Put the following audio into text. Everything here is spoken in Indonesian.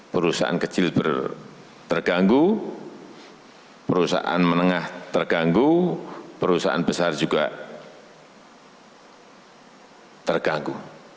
perusahaan kecil terganggu perusahaan menengah terganggu perusahaan besar juga terganggu